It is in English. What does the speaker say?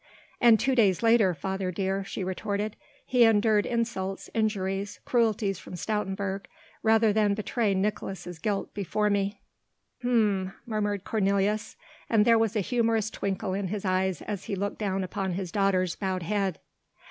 "And two days later, father dear," she retorted, "he endured insults, injuries, cruelties from Stoutenburg, rather than betray Nicolaes' guilt before me." "Hm!" murmured Cornelius, and there was a humorous twinkle in his eyes as he looked down upon his daughter's bowed head.